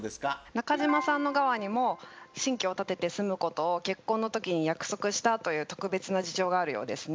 中島さんの側にも新居を建てて住むことを結婚の時に約束したという特別な事情があるようですね。